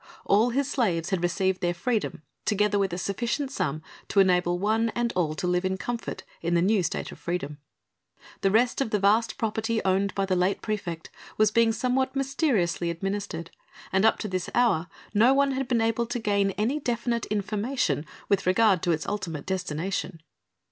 All his slaves had received their freedom together with a sufficient sum to enable one and all to live in comfort in the new state of freedom. The rest of the vast property owned by the late praefect was being somewhat mysteriously administered, and up to this hour no one had been able to gain any definite information with regard to its ultimate destination.